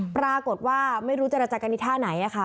ปรากฏว่าไม่รู้เจรจกรณีท่าไหนอะค่ะ